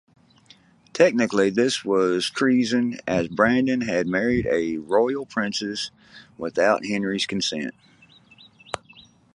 Technically this was treason, as Brandon had married a Royal Princess without Henry's consent.